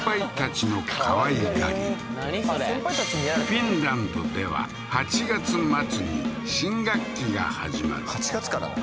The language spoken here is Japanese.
それフィンランドでは８月末に新学期が始まる８月からなん？